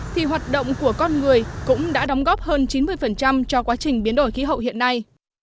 thì hoạt động của con người cũng đã đóng góp hơn chín mươi cho quá trình biến đổi khí hậu hiện nay